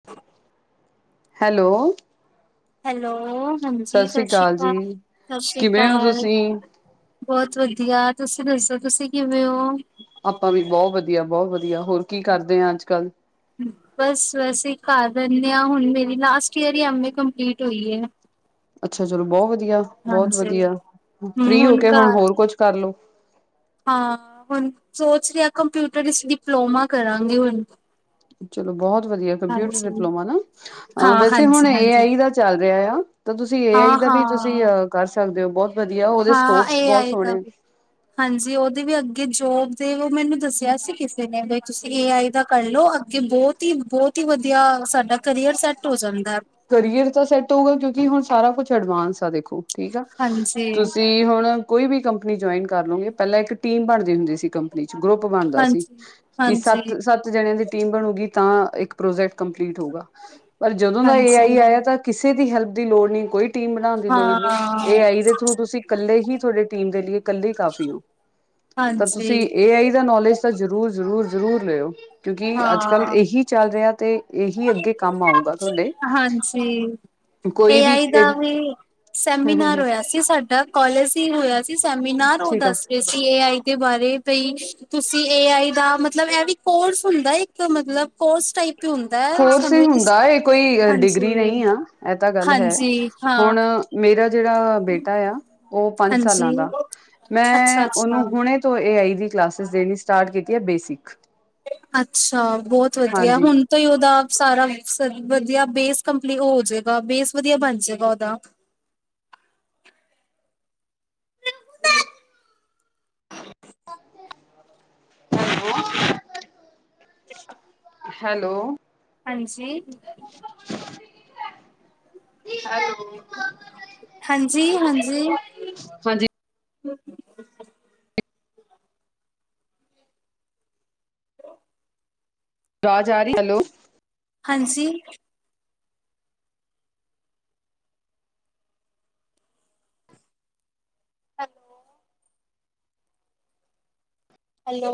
[inaudible] Hello. Hello. ਹਾਂਜੀ, ਸਤਿ ਸ੍ਰੀ ਅਕਾਲ ਜੀ। ਸ਼੍ਰੀ ਕਿਵੇਂ ਹੋ ਅਕਾਲ। ਤੁਸੀਂ? ਬਹੁਤ ਵਧੀਆ। ਤੁਸੀਂ ਦੱਸੋ, ਤੁਸੀਂ ਕਿਵੇਂ ਹੋ? ਆਪਾਂ ਵੀ, ਬਹੁਤ ਵਧੀਆ- ਬਹੁਤ ਵਧੀਆ। ਹੋਰ, ਕਿ ਕਰਦੇ ਅੱਜ ਕੱਲ? [inaudible] ਬਸ ਵੈਸੇ ਹੀ, ਕਰ ਦਿੰਦੇ ਹਾਂ। ਹੁਣ ਮੇਰੀ ਲਾਸਟ ਈਅਰ ਹੀ, ਐਮ ਏ, ਕੰਪਲੀਟ ਹੋਈ ਹੈ ਅੱਛਾ, ਚਲੋ ਬਹੁਤ ਵਧੀਆ- ਬਹੁਤ ਹਾਂਜੀ ਵਧੀਆ, ਹਮ ਫ੍ਰਰੀ ਹੋ ਕੇ। ਹੁਣ ਘਰ ਹੋਰ ਕੁਛ ਕਰਲੋ। ਹਾਂ, ਹੁਣ ਸੋਚ ਰਿਹਾ ਆ। ਕੰਪਿਊਟਰ ਵਿੱਚ ਡਿਪਲੋਮਾ ਕਰਾਂਗੀ ਹੁਣ। ਚਲੋ, ਬਹੁਤ ਵਧੀਆ, ਕੰਪਿਊਟਰ ਹਾਂਜੀ। ਡਿਪਲੋਮਾ ਨਾ। ਅ ਹਾਂ ਵੈਸੇ ਹੁਣ, ਹਾਂਜੀ ਏ ਹਾਂਜੀ ਆਈ, ਦਾ ਚੱਲ ਰਿਹਾ ਆ। ਤਾਂ ਤੁਸੀਂ, ਏ ਆਈ, ਹਾਂ ਦਾ ਵੀ ਹਾਂ ਤੁਸੀਂ। ਕਰ ਸਕਦੇ ਹੋ। ਬਹੁਤ ਵਧੀਆ ਉਹਦੇ ਹਾਂ ਸਕੋਪਸ, ਇਹ ਬਹੁਤ ਆਏ ਤਾਂ ਸੋਹਣੇ। ਵੀ ਹਾਂਜੀ, ਉਹਦੇ ਵੀ ਅੱਗੇ ਜੋਬ, ਦੇ ਉਹ ਮੈਨੂੰ ਦੱਸਿਆ ਸੀ, ਕਿਸੇ ਨੇ। ਤੁਸੀਂ ਏ ਆਈ, ਦਾ ਕਰ ਲਓ। ਕਿ ਬਹੁਤ ਹੀ- ਬਹੁਤ ਹੀ ਵਧੀਆ, ਸਾਡਾ ਕਰੀਅਰ ਸੈੱਟ ਹੋ ਜਾਂਦਾ ਕਰੀਅਰ ਤਾਂ ਸੈੱਟ ਹੋਊਗਾ। ਕਿਉਂਕਿ, ਹੁਣ ਸਾਰਾ ਕੁਛ, ਐਡਵਾਂਸ ਆ ਦੇਖੋ। ਠੀਕ ਆ। ਹਾਂਜੀ, ਤੁਸੀਂ ਹੁਣ, ਕੋਈ ਵੀ ਕੰਪਨੀ ਜੁਆਇਨ ਕਰ ਲੋਗੇ। ਪਹਿਲਾਂ ਇੱਕ ਟੀਮ ਬਣਦੀ ਹੁੰਦੀ ਸੀ। ਚ ਗਰੁੱਪ, ਬਣਦਾ ਸੀ। ਹਾਂਜੀ, ਕਿ ਹਾਂਜੀ, ਸਤ- ਜਣਿਆਂ ਦੀ ਟੀਮ ਬਣੂਗੀ, ਤਾਂ ਇੱਕ ਪ੍ਰੋਜੈਕਟ ਕੰਪਲੀਟ ਹੋਊਗਾ। ਪਰ ਜਦੋਂ ਦਾ, ਏ ਆਈ ਹਾਂਜੀ। ਆਇਆ ਤਾਂ। ਕਿਸੇ ਦੀ ਹੈਲਪ ਦੀ ਲੋੜ ਨਹੀਂ। ਕੋਈ ਟੀਮ ਬਣਾਉਣ ਦੀ ਲੋੜ ਨਹੀਂ। ਹਾਂ, ਏ ਆਈ ਦੇ ਥਰੂ ਤੁਸੀਂ ਕੱਲੇ ਹੀ ਤੁਹੀ। ਟੀਮ ਦੇ ਲਈ ਇਕੱਲੇ ਕਾਫੀ ਹੋ। ਤਾਂ ਤੁਸੀਂ, ਹਾਂਜੀ, ਏ ਆਈ ਦਾ, ਨੌਲੇਜ ਤਾਂ ਜ਼ਰੂਰ, ਜ਼ਰੂਰ, ਜ਼ਰੂਰ, ਲਿਓ। ਕਿਉਂਕਿ ਅੱਜ ਕੱਲ ਹਾਂ। ਇਹੀ। ਚੱਲ ਰਿਹਾ। ਤੇ ਇਹੀ ਅੱਗੇ, ਕੰਮ ਆਊਗਾ ਤੁਹਾਡੇ ਲੀਏ। ਹਾਂਜੀ। ਏ ਆਈ ਦਾ ਵੀ। ਹਮ ਹਮ ਸੈਮੀਨਾਰ ਹਮ ਹੋਇਆ ਸੀ। ਸਾਡਾ ਕਾਲਜ ਹੀ, ਹੋਇਆ ਸੀ, ਸੈਮੀਨਾਰ ਉਹ ਠੀਕ ਆ ਦੱਸ ਸੀ। ਇਹ, ਏ ਆਈ ਦੇ, ਬਾਰੇ ਭਈ। ਤੁਸੀਂ ਏ ਆਈ ਦਾ। ਮਤਲਬ ਇਹ ਵੀ, ਕੋਰਸ ਹੁੰਦਾ ਇੱਕ। ਮਤਲਬ ਕੋਰਸ ਟਾਈਪ ਹੀ ਹੁੰਦਾ। ਹੈ ਕੋਰਸ ਸਾਨੂੰ ਹੀ ਇਹਦੇ ਹੁੰਦਾ। ਇਹ ਕੋਈ, ਡਿਗਰੀ ਹਾਂਜੀ ਨਹੀਂ ਆ। ਇਹ ਤਾਂ ਗੱਲ ਹੈ। ਹਾਂਜੀ ਹਾਂ ਹੁਣ ਮੇਰਾ ਜਿਹੜਾ ਬੇਟਾ ਆ। ਉਹ ਪੰਜ ਸਾਲਾਂ ਹਾਂਜੀ ਦਾ। ਮੈਂ ਅੱਛਾ ਉਹਨੂੰ ਅੱਛਾ ਹੁਣੇ। ਤੋਂ, ਏ ਆਈ ਦੀ, ਕਲਾਸਿਸ ਦੇਣੀ ਸਟਾਰਟ ਕੀਤੀ ਹੈ। ਬੇਸਿਕ। ਅੱਛਾ। ਬਹੁਤ ਵਧੀਆ, ਹਾਂਜੀ ਹੁਣ। ਤੋਂ ਉਹਦਾ ਆਪ ਸਾਰਾ ਵਧੀਆ ਬੇਸ ਕੰਪਲੀ ਹੋ ਜਾਏਗਾ। ਬੇਸ ਵਧੀਆ ਬਣ ਜੇਗਾ ਉਹਦਾ। [unintelligible] ਹੈਲੋ। ਹਾਂਜੀ। ਅੱਛਾ। [unintelligible] ਹਾਂਜੀ, ਹਾਂਜੀ। ਹਾਂਜੀ। ਹੂੰ। ਅਵਾਜ ਆ ਰਹੀ। ਹੈਲੋ। ਹਾਂਜੀ। ਹੈਲੋ। ਹੈਲੋ।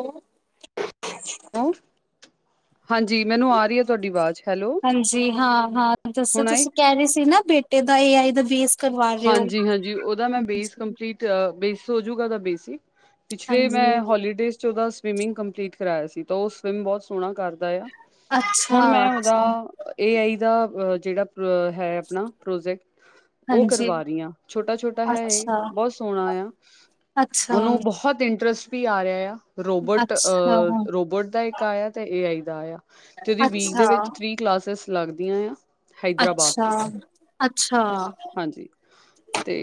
[unintelligible] ਹਾਂਜੀ ਮੈਨੂੰ ਆ ਰਹੀ ਆ ਤੁਹਾਡੀ ਆਵਾਜ਼ ਹੈਲੋ ਹਾਂਜੀ ਹਾਂ ਹਾਂ ਦੱਸੋ ਹੁਣ ਆਈ। ਤੁਸੀਂ ਕਹਿ ਰਹੇ ਸੀ ਨਾ ਬੇਟੇ ਦਾ ਇਹ ਆਈ ਦਾ ਬੇਸ। ਕਰਵਾ ਰਹੇ ਹੋ। ਹਾਂਜੀ ਹਾਂਜੀ ਓਦਾ ਮੈਂ ਬੇਸ ਕੰਪਲੀਟ ਬੇਸ ਹੋਜੂਗਾ ਉਹਦਾ ਬੇਸਿਕ। ਪਿਛਲੇ ਹਾਂਜੀ ਮੈਂ ਹੋਲੀਡੇਜ਼ 'ਚ ਉਹਦਾ ਸਵਿਮਿੰਗ ਕੰਪਲੀਟ ਕਰਵਾਇਆ ਸੀ। ਤਾਂ ਉਹ ਸਵਿੰਮ ਬਹੁਤ ਸੋਹਣਾ ਕਰ। ਕਰਦਾ ਆ ਅੱਛਾ ਹੁਣ ਮੈਂ ਉਹਦਾ। ਅੱਛਾ ਏ ਆਈ ਦਾ ਜਿਹੜਾ ਹੈ ਆਪਣਾ ਪ੍ਰੋਜੈਕਟ। ਉਹ ਹਾਂਜੀ ਕਰਵਾ ਰਹੀ ਹਾਂ ਛੋਟਾ ਛੋਟਾ ਹੈ। ਇਹ ਅੱਛਾ ਬਹੁਤ ਸੋਹਣਾ ਆ। ਅੱਛਾ ਉਹਨੂੰ ਬਹੁਤ ਇੰਟਰਸਟ। ਵੀ ਆ ਰਿਹਾ ਆ ਰੋਬੋਟ ਅੱਛਾ ਅਹ ਰੋਬੋਟ ਦਾ ਇੱਕ ਆਇਆ ਤੇ ਏ ਆਈ ਦਾ ਆਇਆ। ਤੇ ਉਹਦੀ ਵੀਕ ਦੇ ਅੱਛਾ ਵਿੱਚ ਥ੍ਰੀ ਕਲਾਸਿਸ ਲੱਗਦੀਆਂ ਆ। ਹੈਦਰਾਬਾਦ ਅੱਛਾ ਤੋਂ ਅੱਛਾ। ਹਾਂਜੀ ਤੇ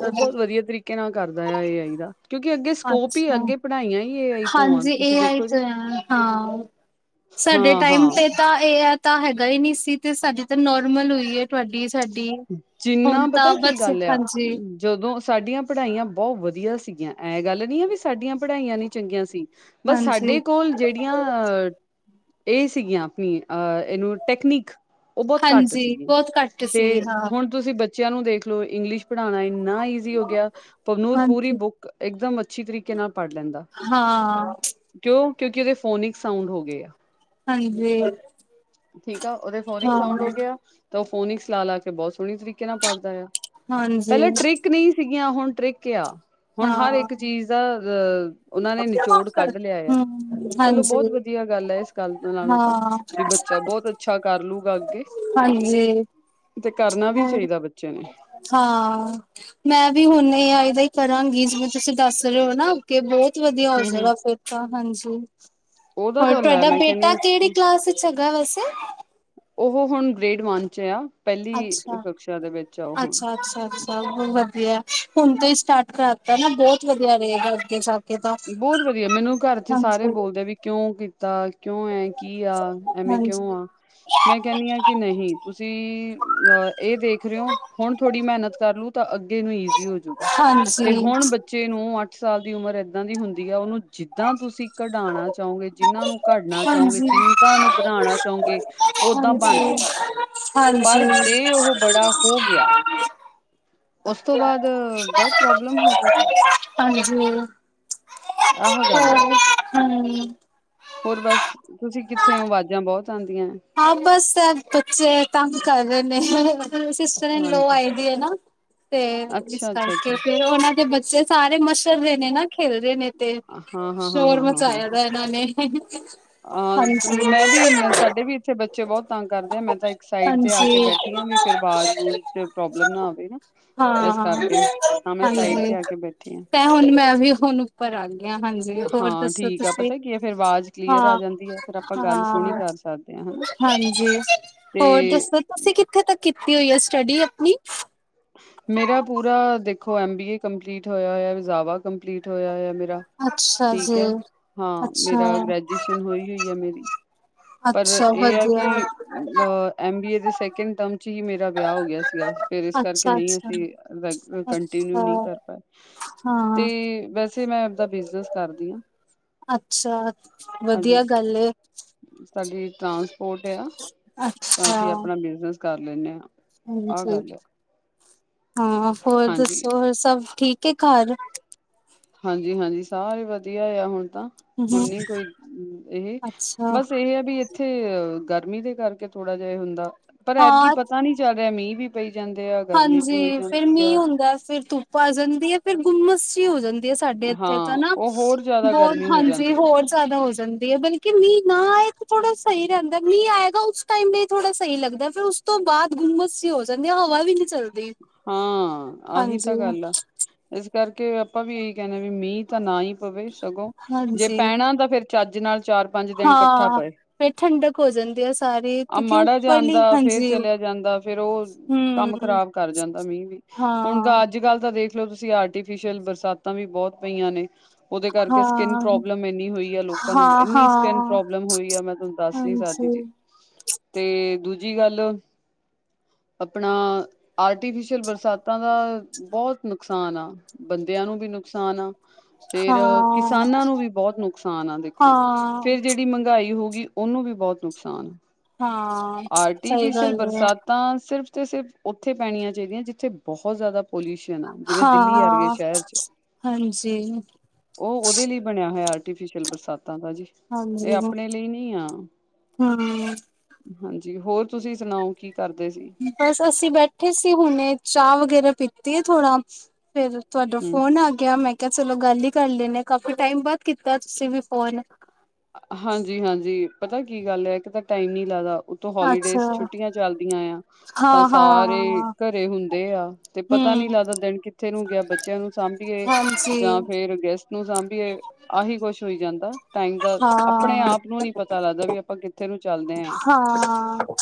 ਉਹ ਬਹੁਤ ਵਧੀਆ ਤਰੀਕੇ ਨਾਲ ਕਰਦਾ ਆ ਏ ਆਈ ਦਾ। ਕਿਉਂਕਿ ਅੱਗੇ ਸਕੋਪ ਹੀ ਅੱਛਾ ਅੱਗੇ ਪੜ੍ਹਾਈਆਂ ਹੀ ਇਹ ਆਈ ਤੋਂ ਆ ਹਾਂਜੀ ਤੁਸੀਂ ਇਹ ਆਈ ਦੇਖੋ ਤਾਂ ਗੇ। ਹਾਂ ਸਾਡੇ ਟਾਈਮ ਤੇ ਤਾਂ ਏ ਆ ਤਾਂ ਹੈਗਾ ਹੀ ਨਹੀਂ ਸੀ ਤੇ ਸਾਡੀ ਤਾਂ ਨੋਰਮਲ ਹੋਈ ਹੈ। ਤੁਹਾਡੀ ਸਾਡੀ ਹੁਣ ਜਿੰਨਾ ਪਤਾ ਤਾਂ ਕੀ ਬਸ ਗੱਲ ਆ ਹਾਂਜੀ। ਜਦੋਂ ਸਾਡੀਆਂ ਪੜ੍ਹਾਈਆਂ ਬਹੁਤ ਵਧੀਆ ਸੀਗੀਆਂ। ਇਹ ਗੱਲ ਨਹੀਂ ਆ ਵੀ। ਸਾਡੀਆਂ ਪੜ੍ਹਾਈਆਂ ਨੀ ਚੰਗੀਆਂ ਸੀ। ਬਸ ਹਾਂਜੀ ਸਾਡੇ ਕੋਲ। ਜਿਹੜੀਆਂ ਇਹ ਸੀਗੀਆਂ ਆਪਣੀ ਅਹ ਇਹਨੂੰ ਟੈਕਨੀਕ। ਉਹ ਬਹੁਤ ਘੱਟ ਹਾਂਜੀ ਸੀਗੀਆ ਬਹੁਤ ਘੱਟ ਤੇ। ਸੀ ਹਾਂ ਹੁਣ ਤੁਸੀਂ ਬੱਚਿਆਂ ਨੂੰ ਦੇਖਲਓ ਇੰਗਲਿਸ਼ ਪੜ੍ਹਾਉਣਾ ਇੰਨਾ ਈਜ਼ੀ ਹੋ ਗਿਆ ਹੈ। ਤੁਹਾਨੂੰ ਉਹ ਪੂਰੀ ਹਾਂਜੀ, ਬੁੱਕ। ਇੱਕਦਮ ਅੱਛੀ ਤਰੀਕੇ ਨਾਲ ਪੜ੍ਹ ਲੈਂਦਾ ਹੈ। ਹਾਂ। ਕਿਉਂ ਕਿਉਂਕਿ ਉਹਦੇ ਫੋਨਿਕ ਸਾਊਂਡ ਹੋ ਗਏ ਆ। ਹਾਂਜੀ। ਠੀਕ ਆ ਉਹਦੇ ਫੋਨਿਕ ਸਾਊਂਡ ਹੋ ਹਾਂ, ਗਿਆ ਤੇ ਉਹ ਫੋਨਿਕਸ ਲਾ ਲਾ ਕੇ। ਬਹੁਤ ਸੋਹਣੇ ਤਰੀਕੇ ਨਾਲ ਪੜ੍ਹਦਾ ਆ ਹਾਂਜੀ। ਪਹਿਲਾਂ ਟ੍ਰਿਕ ਨਹੀਂ ਸੀਗੀਆਂ ਹੁਣ ਟ੍ਰਿਕ ਆ। ਹੁਣ ਹਾਂ, ਹਰ ਇੱਕ ਹੂੰ, ਚੀਜ਼ ਦਾ ਅਹ ਉਹਨਾਂ ਨੇ ਨਿਚੋੜ ਕੱਢ ਲਿਆ ਆ। ਚਲੋ ਬਹੁਤ ਹਾਂਜੀ। ਵਧੀਆ ਗੱਲ ਹੈ। ਇਸ ਗੱਲ ਨਾਲੋਂ ਤਾਂ ਹਾਂ, ਵੀ ਬੱਚਾ ਬਹੁਤ ਅੱਛਾ ਕਰ ਲੂਗਾ ਅੱਗੇ। ਹਾਂਜੀ। ਤੇ ਕਰਨਾ ਵੀ ਹੋਰ ਚਾਹੀਦਾ ਬੱਚੇ ਨੇ। ਹਾਂ। ਮੈਂ ਵੀ ਹੁਣ ਇਹ ਏ ਅਈ ਹੀ ਕਰਾਂਗੀ। ਜਿਵੇਂ ਤੁਸੀਂ ਦੱਸ ਰਹੇ ਹੋ ਨਾ ਅੱਗੇ ਬਹੁਤ। ਜੀ ਵਧੀਆ ਹੋ ਹਮ ਹਮ ਜਾਏਗਾ ਫੇਰ ਤਾਂ ਹਾਂਜੀ ਉਹਦਾ ਹੋਰ ਤਾਂ ਲੈ ਤੁਹਾਡਾ ਮੈਂ ਕਹਿੰਦੀ ਬੇਟਾ ਕਿਹੜੀ ਹਾਂ ਕਲਾਸ। ਗਾਲ ਵਸੇ ਉਹ ਹੁਣ ਗ੍ਰੇਡ ਵਨ ਚ ਆ ਪਹਿਲੀ ਅੱਛਾ। ਕਕਸ਼ਾ ਦੇ ਵਿੱਚ ਆ ਉਹ ਹੁਣ। ਅੱਛਾ, ਅੱਛਾ! ਵਧੀਆ ਹੁਣ ਤੋਂ ਹੀ ਸਟਾਰਟ ਕਰਾ ਦਿੱਤਾ ਨਾ, ਬਹੁਤ ਵਧੀਆ ਰਹੇਗਾ ਅੱਗੇ ਸਭ। ਬਹੁਤ ਵਧੀਆ ਮੈਨੂੰ ਘਰ ਚ ਸਾਰੇ ਬੋਲਦੇ ਵੀ ਕਿਉਂ? ਤਾਂ ਕਿਉਂ ਐ? ਕੀ ਆ? ਐਵੇਂ ਕਿਉਂ ਹਾਂਜੀ। ਆ? ਮੈਂ ਕਹਿੰਦੀ ਹਾਂ ਕਿ ਨਹੀਂ ਤੁਸੀਂ ਅਹ ਇਹ ਦੇਖ ਰਹੇ ਹੋ ਹੁਣ ਥੋੜੀ ਮਿਹਨਤ ਕਰ ਲੂ ਤਾਂ ਅੱਗੇ ਨੂੰ ਇ ਜ਼ੀ ਹੋਜੂਗਾ ਤੇ ਹਾਂਜੀ, ਹੁਣ ਬੱਚੇ ਨੂੰ ਅੱਠ ਸਾਲ ਦੀ ਉਮਰ ਏਦਾਂ ਦੀ ਹੁੰਦੀ ਆ ਉਹਨੂੰ ਜਿੱਦਾਂ ਤੁਸੀਂ ਕਢਾਉਣਾ ਚਾਹੋਗੇ ਜਿਹਨਾਂ ਨੂੰ ਪੜਨਾ ਚਾਹੋਗੇ ਹਾਂਜੀ, ਜਿੰਦਾਂ ਉਹਨੂੰ ਬਣਾਉਣਾ ਚਾਹੋਗੇ ਓਦਾਂ ਬਣ ਹਾਂਜੀ। ਜੂਗਾ ਹਾਂਜੀ, ਪਰ ਜੇ ਉਹ ਬੜਾ ਹੋ ਗਿਆ ਹੈ। ਉਸ ਤੋਂ ਬਾਅਦ ਬਹੁਤ ਪ੍ਰੋਬਲਮ ਹੋਜੂਗੀ। ਹਾਂਜੀ ਹੋਰ ਆਹ ਗੱਲ ਆ ਹਾਂਜੀ। ਹੋਰ ਬਸ ਤੁਸੀਂ ਕਿੱਥੇ ਹੋ ਅਵਾਜ਼ਾਂ ਬਹੁਤ ਆਉਂਦੀਆਂ। ਹਾਂ ਬਸ ਬੱਚੇ ਤੰਗ ਕਰ ਰਹੇ ਨੇ ਸਿਸਟਰ ਲੋ ਹਾਂਜੀ ਆਈ ਦੀ ਹੈ ਨਾ ਤੇ ਇਸ ਅੱਛਾ ਅੱਛਾ ਅੱਛਾ ਕਰਕੇ ਫਰ ਉਹਨਾਂ ਦੇ ਬੱਚੇ ਸਾਰੇ ਮਸ਼ਰਹੇ ਨੇ ਨਾ ਖੇਲਦੇ ਨੇ ਤੇ ਹਾਂ ਹਾਂ ਹਾਂ ਸ਼ੋਰ ਹਾਂ ਹਾਂ ਹਾਂ ਮਚਾਇਆ ਦਾ ਇਹਨਾਂ ਨੇ ਹਾਂ ਹਾਂਜੀ। ਮੈਂ ਵੀ ਸਾਡੇ ਵੀ ਇੱਥੇ ਬਚ ਬੱਚੇ ਬਹੁਤ ਤੰਗ ਕਰਦੇ ਆ। ਮੈਂ ਤਾਂ ਇੱਕ ਸਾਈਡ ਤੇ ਆ ਕੇ ਹਾਂਜੀ। ਬੈਠੀ ਆ ਵੀ ਫਿਰ ਆਵਾਜ਼ ਪ੍ਰੋਬਲਮ ਨਾ ਆਵੇ ਨਾ। ਇਸ ਹਾਂ, ਕਰਕੇ ਹਾਂ ਮੈਂ ਸਾਈਡ ਚ ਹਾਂਜੀ। ਆ ਕੇ ਬੈਠੀ ਹਾਂ। ਤੇ ਹੁਣ ਮੈਂ ਵੀ ਹੁਣ ਉੱਪਰ ਆ ਗਈ ਆ ਹਾਂਜੀ ਹੋਰ ਹਾਂ ਦੱਸੋ ਠੀਕ ਆ ਤੁਸੀਂ? ਪਤਾ ਕੀ ਹੈ ਫਿਰ ਆਵਾਜ਼ ਕਲੀਅਰ ਆ ਹਾਂ, ਜਾਂਦੀ ਆ ਫਿਰ ਆਪਾਂ ਗੱਲ ਸੋਹਣੀ ਹਾਂ ਕਰ ਸਕਦੇ ਹ ਹਨਾ ਹਾਂਜੀ, ਹੋਰ ਤੇ ਦੱਸੋ ਤੁਸੀਂ ਕਿੱਥੇ ਤੱਕ ਕੀਤੀ ਹੋਈ ਆ ਸਟੱਡੀ ਆਪਣੀ? ਮੇਰਾ ਪੂਰਾ ਦੇਖੋ ਐਮ ਬੀ ਏ ਕੰਪਲੀਟ ਹੋਇਆ ਹੋਇਆ। ਰਜ਼ਾਵਾ ਕੰਪਲੀਟ ਹੋਇਆ ਹੋਇਆ ਮੇਰਾ। ਅੱਛਾ ਠੀਕ ਜੀ ਹੈ ਹਾਂ ਅੱਛਾ ਮੇਰਾ ਗ੍ਰੈਜੂਏਸ਼ਨ ਹੋਈ ਹੋਈ ਹੈ ਮੇਰੀ। ਪਰ ਅੱਛਾ ਇਹ ਆ ਵਧੀਆ ਕਿ ਅ ਐਮਬੀ ਏ ਦੇ ਸੈਕਿੰਡ ਟਰਮ ਚ ਹੀ ਮੇਰਾ ਵਿਆਹ ਹੋ ਗਿਆ ਸੀ। ਜਾਂ ਫੇਰ ਇਸ ਕਰਕੇ ਅੱਛਾ ਨਹੀਂ ਅੱਛਾ ਅਸੀਂ ਰ ਕੰਟੀਨਿਊ ਅੱਛਾ ਨਹੀਂ ਕਰ ਪਾਏ। ਤੇ ਹਾਂ ਵੈਸੇ ਮੈਂ ਆਪਦਾ ਬਿਜਨਸ ਕਰਦੀ ਆ। ਅੱਛਾ ਵਧੀਆ ਗੱਲ ਏ। ਸਾਡੀ ਟਰਾਂਸਪੋਰਟ ਆ ਤਾਂ ਅੱਛਾ ਅਸੀਂ ਆਪਣਾ ਬਿਜਨਸ ਕਰ ਲੈਂਦੇ ਆ। ਆਹ ਹਾਂਜੀ ਗੱਲ ਹਾਂ ਹੋਰ ਹਾਂਜੀ ਦੱਸੋ ਹੋਰ ਸਭ ਠੀਕ ਹੈ ਘਰ। ਹਾਂਜੀ, ਹਾਂਜੀ ਸਾਰੇ ਵਧੀਆ ਆ ਹੁਣ ਤਾਂ। ਹੁਣ ਹਮ ਨੀ ਕੋਈ ਇਹ ਅੱਛਾ ਬਸ ਇਹ ਹੈ ਵੀ ਇੱਥੇ ਗਰਮੀ ਦੇ ਕਰਕੇ ਥੋੜਾ ਜਿਹਾ ਹੁੰਦਾ। ਪਰ ਐਦਕੀ ਹਾਂ ਪਤਾ ਨੀ ਚੱਲ ਰਿਹਾ ਮੀਂਹ ਵੀ ਪਈ ਜਾਂਦੇ ਆ। ਗਰਮੀ ਵੀ ਹਾਂਜੀ ਹੋਈ ਫੇਰ ਜਾਂਦੀ ਮੀਂਹ ਆ ਹੁੰਦਾ। ਫਿਰ ਧੁੱਪ ਆ ਜਾਂਦੀ ਐ। ਫਿਰ ਗੁੰਮਸ ਹੀ ਹੋ ਜਾਂਦੀ ਸਾਡੇ ਇੱਥੇ ਹਾਂ ਤਾਂ ਹਨਾ ਉਹ ਹੋਰ ਜ਼ਿਆਦਾ ਬਹੁਤ ਗਰਮੀ ਹੋ ਹਾਂਜੀ ਜਾਂਦੀ ਆ ਹੋਰ ਜ਼ਿਆਦਾ ਹੋ ਜਾਂਦੀ ਏ। ਬਲਕਿ ਮੀਂਹ ਨਾ ਤੇ ਥੋੜਾ ਸਹੀ ਰਹਿੰਦਾ। ਮੀਂਹ ਆਏਗਾ ਉਸ ਟਾਈਮ ਦੇ ਥੋੜਾ ਸਹੀ ਲੱਗਦਾ ਫਿਰ ਉਸ ਤੋਂ ਬਾਅਦ ਹੁਮਸ ਜੀ ਹੋ ਜਾਂਦੀ ਆ। ਹਵਾ ਵੀ ਨੀ ਚੱਲਦੀ। ਹਾਂ ਆਹੀ ਹਾਂਜੀ ਤਾਂ ਗੱਲ ਆ ਇਸ ਕਰਕੇ ਆਪਾਂ ਵੀ ਇਹੀ ਕਹਿਣਾ ਵੀ ਮੀਂਹ ਤਾਂ ਨਾ ਹੀ ਪਵੇ। ਸਗੋਂ ਜੇ ਹਾਂਜੀ ਪੈਣਾ ਤਾਂ ਫੇਰ ਚੱਜ ਨਾਲ ਚਾਰ ਪੰਜ ਦਿਨ ਇਕੱਠਾ ਹਾਂ ਪਏ। ਫਿਰ ਠੰਡਕ ਹੋ ਜਾਂਦੀ ਹੈ ਸਾਰੀ ਆ ਕਿਉਂਕਿ ਮਾੜਾ ਜਿਆ ਉੱਪਰਲੀ ਆਦਾਂ ਫੇਰ ਹਾਂਜੀ ਚਲਿਆ ਜਾਂਦਾ। ਫੇਰ ਉਹ ਹਮ ਕੰਮ ਖ਼ਰਾਬ ਕਰ ਜਾਂਦਾ ਮੀਂਹ ਵੀ। ਹੁਣ ਹਾਂ ਤਾਂ ਅੱਜ ਕੱਲ ਤਾਂ ਦੇਖ ਦੇਖਲ ਤੁਸੀਂ ਆਰਟੀਫਿਸ਼ਲ ਬਰਸਾਤਾਂ ਵੀ ਬਹੁਤ ਪਈਆਂ ਨੇ। ਉਹਦੇ ਕਰਕੇ ਸਕਿੰਨ ਹਾਂ ਪ੍ਰੋਬਲਮ ਇੰਨੀ ਹੋਈ ਆ ਲੋਕਾਂ ਨੂੰ ਹਾਂ ਇੰਨੀ ਸਕਿੰਨ ਹਾਂ ਪ੍ਰੋਬਲਮ ਹੋਈ ਆ। ਮੈਂ ਤੁਹਾਨੂੰ ਦੱਸ ਨੀ ਸਕਦੀ ਹਾਂਜੀ ਜੀ। ਤੇ ਦੂਜੀ ਗੱਲ ਆਪਣਾ ਆਰਟੀਫਿਸ਼ਲ ਬਰਸਾਤਾਂ ਦਾ ਬਹੁਤ ਨੁਕਸਾਨ ਆ। ਬੰਦਿਆਂ ਨੂੰ ਵੀ ਨੁਕਸਾਨ ਆ। ਫਰ ਹਾਂ ਕਿਸਾਨਾਂ ਨੂੰ ਵੀ ਬਹੁਤ ਨੁਕਸਾਨ ਆ। ਦੇਖੋ ਹਾਂ ਫੇਰ ਜਿਹੜੀ ਮਹਿੰਗਾਈ ਹੋ ਗਈ। ਉਹਨੂੰ ਵੀ ਬਹੁਤ ਨੁਕਸਾਨ ਹੈ ਹਾਂ ਸਹੀ ਆਰਟੀਫਿਸ਼ਲ ਗੱਲ ਹੈ ਬਰਸਾਤ ਤਾਂ ਸਿਰਫ ਤੇ ਸਿਰਫ ਉੱਥੇ ਪੈਣੀਆਂ ਚਾਹੀਦੀਆਂ ਜਿੱਥੇ ਬਹੁਤ ਜ਼ਿਆਦਾ ਪੋਲਿਊਸ਼ਨ ਆ ਜਿਵੇਂ ਦਿੱਲੀ ਆਰਗਏ ਹਾਂ ਸ਼ਹਿਰ ਚ ਹਾਂਜੀ ਉਹ ਉਹਦੇ ਲਈ ਬਣਿਆ ਹੋਇਆ ਆਰਟੀਫਿਸ਼ਲ ਬਰਸਾਤਾਂ ਦਾ ਜੀ। ਏਹ ਹਾਂਜੀ ਆਪਣੇ ਲਈ ਨੀ ਆ। ਹਮ ਹਾਂਜੀ, ਹੋਰ ਤੁਸੀਂ ਸੁਣਾਓ? ਕੀ ਕਰਦੇ ਸੀ? ਬਸ ਅਸੀਂ ਬੈਠੇ ਸੀ ਹੁਣੇ, ਚਾਹ ਵਗੈਰਾ ਪੀਤੀ ਏ ਥੋੜਾ, ਫੇਰ ਤੁਹਾਡਾ ਹੂੰ ਫੋਨ ਆ ਗਿਆ। ਮੈਂ ਕਿਹਾ ਚਲੋ ਗੱਲ ਹੀ ਕਰ ਲੈਂਣੇ ਕਾਫੀ ਟਾਈਮ ਬਾਅਦ ਕੀਤਾ ਤੁਸੀਂ ਵੀ ਫੋਨ। ਹਾਂਜੀ, ਹਾਂਜੀ ਪਤਾ ਕੀ ਗੱਲ ਐ ਇਕ ਤੇ ਟਾਈਮ ਨੀ ਲੱਗਦਾ। ਅੱਛਾ ਹੋਲੀਡੇਸ ਛੁੱਟੀਆਂ ਚੱਲਦੀਆਂ ਆ, ਤਾਂ ਹਾਂ ਸਾਰੇ ਹਾਂ ਘਰੇ ਹੁੰਦੇ ਆ। ਤੇ ਪਤਾ ਨੀ ਹਮ ਲੱਗਦਾ ਦਿਨ ਕਿੱਥੇ ਨੂੰ ਗਿਆ ਬੱਚਿਆਂ ਨੂੰ ਸਾਂਭੀਏ ਹਾਂਜੀ ਜਾਂ ਫੇਰ ਗੈਸਟ ਨੂੰ ਸਾਂਭੀਏ ਆਹੀ ਕੁਛ ਹੋਈ ਜਾਂਦਾ ਟਾਈਮ ਦਾ ਆਪਣੇ ਹਾਂ ਆਪ ਨੂੰ ਨੀ ਪਤਾ ਲੱਗਦਾ ਵੀ ਆਪਾਂ ਕਿ ਉੱਥ ਨੂੰ ਚੱਲਦੇ ਹਾਂ,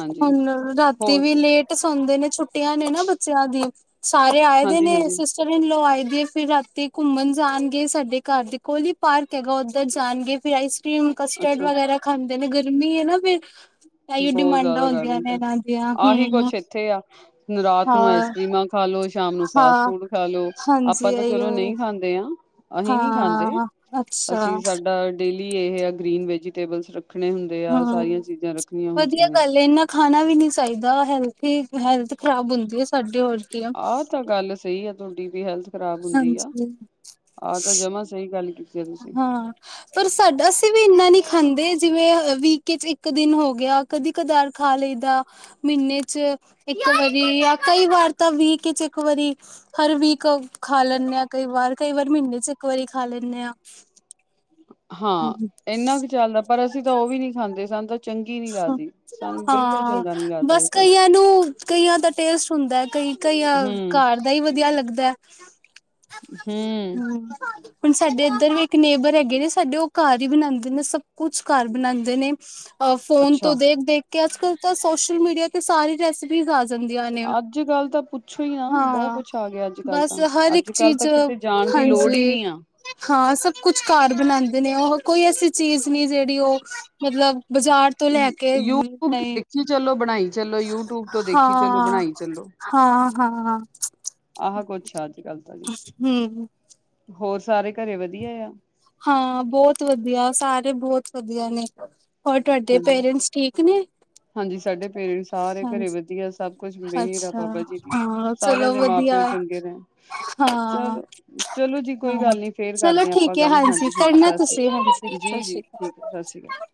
ਹਾਂਜੀ ਹੁਣ ਰਾਤੀ ਹੋਰ ਵੀ ਜੀ ਲੇਟ ਸੌਦੇ ਨੀ ਛੁੱਟੀਆਂ ਨੇ ਨਾ ਬੱਚਿਆਂ ਦੀ ਸਾਰੇ ਆਏ ਦੇ ਨੇ ਹਾਂਜੀ-ਹਾਂਜੀ ਰਨ ਲਵਾਈ ਦੀਏ ਫਿਰ ਰਾਤੀ ਘੁੰਮਣ ਜਾਣਗੇ ਸਾਡੇ ਘਰ ਦੇ ਕੋਲੀ ਪਾਰਕ ਹੈਗਾ ਉੱਧਰ ਜਾਣਗੇ। ਤੇ ਆਈਸ ਕ੍ਰੀਮ, ਕਸਟਰਡ ਅੱਛਾ ਵਗੈਰਾ ਖਾਂਦੇ ਨੇ, ਗਰਮੀ ਏ ਨਾ ਫਿਰ। ਏਈਓ ਬਹੁਤ ਡਿਮਾਂਡਾ ਜ਼ਿਆਦਾ ਹੁੰਦੀਆਂ ਗਰਮੀ ਨੇ, ਤਾਂ ਹਾਂਜੀ ਹਾਂ, ਆਹੀ ਹੂੰ। ਕੁਛ ਇੱਥੇ ਆ ਰਾਤ ਨੂੰ ਆਈਸਕ੍ਰੀਮਾ ਖਾ ਲੋ, ਸ਼ਾਮ ਨੂੰ ਫਾਸਟ ਹਾਂ ਫੂਡ ਖਾ ਲੋ, ਅਪਾਂ ਹਾਂਜੀ ਤਾਂ ਚਲੋ ਇਹੀਓ ਨਹੀਂ ਖਾਂ ਦੇਆ, ਅਹੀ ਨੀ ਖਾਂਦੇ, ਹਾਂ ਅੱਛਾ ਅਸੀਂ ਸਾਡਾ ਡੇਲੀ ਏਹ ਹਾ ਗ੍ਰੀਨ ਵੈਜੀਟੇਬਲਸ ਰੱਖਣੇ ਹੁੰਦੇ ਆ, ਸਾਰੀਆਂ ਚੀਜ਼ਾਂ ਰੱ ਵਦੀਆ ਗੱਲ ਏ, ਇੰਨਾ ਖਾਣਾ ਵੀ ਨੀ ਸਾਈਦਾ, ਹੈਲਥ ਹੀ, ਹੈਲਥ ਖ਼ਰਾਬ ਹੁੰਦੀ ਏ ਸਾਡੀ ਔਰ। ਆਹ ਤਾਂ ਗੱਲ ਸਈ ਆ ਤੁਹਾਡੀ, ਵੀ ਹੈਲਥ ਖਰਾਬ ਹੁੰਦੀ ਆ, ਹਾਂਜੀ ਆਹ ਤਾਂ ਜਮਾ ਸਈ ਗੱਲ ਕਿ ਹਾਂ, ਪਰ ਸਾਡਾ, ਅਸੀਂ ਵੀ ਇੰਨਾ ਨਈ ਖਾਂਦੇ, ਜਿਵੇਂ ਵੀਕੇ ਚ ਇੱਕ ਦਿਨ ਹੋ ਗਿਆ। ਕਦੀ ਕਦਾਰ ਖਾ ਲਈਦਾ। ਮੀਨੇ ਚ ਇੱਕ ਵਾਰੀ, ਯਾ ਕਈ ਵਾਰ ਤਾਂ ਵੀਕ ਇੱਚ ਇੱਕ ਵਾਰੀ। ਹਰ ਵੀਕ ਅ ਖਾ ਲੈਂਣੇ ਆ ਕਈ ਵਾਰ, ਕਈ ਵਾਰ ਮੀਨੇ ਚ ਇੱਕ ਵਾਰੀ ਖਾ ਲੈਂਣੇ ਆ। ਹਾਂ ਏਨਾ ਕੁ ਚੱਲ, ਪਰ ਅਸੀਂ ਤਾਂ ਉਹ ਵੀ ਨਈ ਖਾਂਦੇ, ਸਾਨ ਤੇ ਹਾਂ, ਚੰਗਾ ਨਹੀਂ ਲੱਗਦਾ ਇਹ ਬਸ ਕੁਛ ਕਈਆਂ ਨੂੰ, ਕਈਆਂ ਦਾ ਟੇਸਟ ਹੁੰਦਾ ਹੈ ਕਈ ਕਈ ਅ ਹੂੰ ਕਾਰ ਦਾ ਈ ਵਦੀਆ ਲੱਗਦਾ ਹੈ, ਹੂੰ। ਹੁਣ ਸਾਡੇ ਏਧਰ ਵੀ ਇੱਕ ਨੇਬਰ ਹੈਗੇ ਨੇ, ਸਾਡੇ ਉਹ ਕਾਰ ਈ ਬਣਾਂਦੇ ਨੇ, ਸਭ ਕੁਛ ਕਾਰ ਬਣਾਂਦੇ ਨੇ। ਅ ਫੋਨ ਤੋਂ ਅੱਛਾ ਦੇਖ-ਦੇਖ ਕੇ, ਅੱਜ ਕੱਲ ਤਾਂ ਸੋਸ਼ਲ ਮੀਡੀਆ ਤੇ ਸਾਰੀ ਰੈਸਿ ਪੀਸ ਆ ਜਾਂਦੀਆਂ ਨੇ, ਅੱਜ ਕੱਲ ਤਾਂ ਪੁੱਛੋ ਹੀ ਨਾ ਬਹੁਤ ਹਾਂ, ਕੁਛ ਆ ਗਿਆ ਅੱਜ ਕੱਲ ਬਸ ਤਾਂ ਹਰ ਅੱਜ ਇੱਕ ਕੱਲ ਤਾਂ ਚੀਜ਼, ਕਿਤੇ ਜਾਣ ਦੀ ਲੋੜ ਹੀ ਹਾਂਜੀ। ਨਹੀਂ ਆ ਹਾਂ, ਸਬ ਕੁਛ ਕਾਰ ਬਣਾਂਦੇ ਨੇ ਓਹੋ, ਕੋਈ ਐਸੀ ਚੀਜ਼ ਨਈ, ਜੇਹੜੀ ਉਹ ਮਤਲਬ ਬਾਜ਼ਾਰ ਤੋਂ ਲੈ ਕੇ [unintelligible] ਚੀ ਚਲੋ, ਬਣਾਈ ਚਲੋ, ਯੂ ਟੂਬ ਤੋਂ ਦੇਖੀ ਚਲੋ, ਹਾਂ ਬਣਾਈ ਚੱਲੋ। ਹਾਂ ਹਾਂ ਆਹਾ ਕੁਛ ਆ ਅੱਜ ਕੱਲ ਤਾਂ ਜੀ। ਹਮ ਹੋਰ ਸਾਰੇ ਘਰੇ ਵਧੀਆ ਆ? ਹਾਂ ਬੋਤ ਵਦੀਆ, ਸਾਰੇ ਬੋਹੋਤ ਵਦੀਆ ਨੇ। ਹੋਰ ਤੁਹਾਡੇ ਹਾਂਜੀ ਪੇਰੈਂਟਸ ਠੀਕ ਨੇ? ਹਾਂਜੀ ਸਾਡੇ ਪੇਰੈਂਟਸ, ਸਾਰੇ ਘਰੇ ਹਾਂਜੀ ਵਦੀਆ, ਸਭ ਕੁਛ ਮੇਹਰ ਆ ਅੱਛਾ ਬਾਬਾ ਜੀ ਦੀ। ਹਾਂ ਸਾਰੇਆਂ ਚਲੋ ਦੇ ਮਾਂ ਵਧੀਆ ਪਿਓ ਚੰਗੇ ਰੈਣ, ਹਾਂ ਚਲੋ, ਚਲੋ ਜੀ ਕੋਈ ਗੱਲ ਨੀ, ਫੇਰ ਕਰਦੇ ਆ ਆਪਾਂ। ਕੇ, ਗੱਲ ਹਾਂਜੀ, ਕਰਨਾ ਏ ਸਤਿ ਸ੍ਰੀ ਤੁਸੀਂ, ਹਾਂਜੀ, ਅਕਾਲ ਜੀ ਜੀ ਠੀਕ ਹੈ ਸਤਿ ਸ਼੍ਰੀ ਅਕਾਲ ਸਸ਼ੀਕਾਲ।